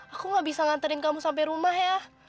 aku gak bisa nganterin kamu sampai rumah ya